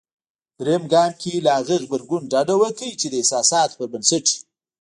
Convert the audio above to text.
درېم ګام کې له هغه غبرګون ډډه وکړئ. چې د احساساتو پر بنسټ وي.